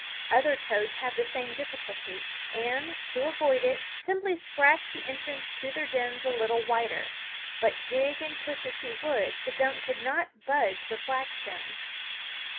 Other toads have the same difficulty and, to avoid it, simply scratch the entrance to their dens a little wider; but dig and push as he would, K'dunk could not budge the flagstones.